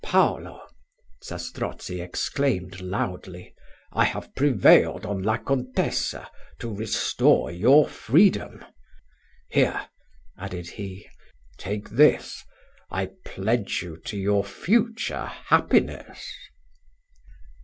"Paulo!" exclaimed Zastrozzi loudly, "I have prevailed on La Contessa to restore your freedom: here," added he, "take this; I pledge you to your future happiness."